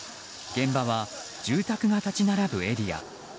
現場は、住宅が立ち並ぶエリア。